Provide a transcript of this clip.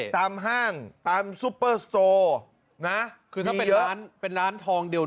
ตามห้างตามซุปเปอร์โสโตร์นะคือถ้าเป็นร้านทองเดียว